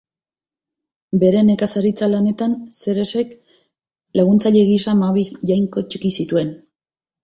Bere nekazaritza lanetan Zeresek laguntzaile gisa hamabi jainko txiki zituen